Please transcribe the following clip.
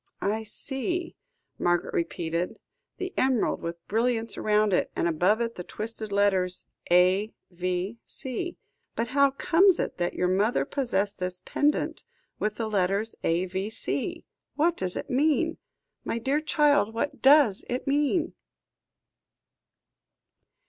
"I see," Margaret repeated; "the emerald with brilliants round it, and above it the twisted letters A.V.C. But how comes it that your mother possessed this pendant with the letters A.V.C.? What does it mean? My dear child, what does it mean?"